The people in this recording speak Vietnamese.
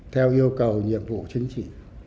theo yêu cầu nhiệm vụ chính trị